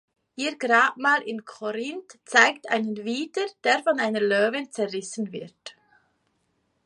Ihr Grabmal in Korinth zeigt einen Widder, der von einer Löwin zerrissen wird.